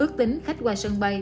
ước tính khách qua sân bay